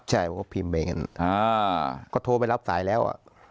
ใช่เพราะพิมพ์ไปกันก็โทรไปรับสายแล้ว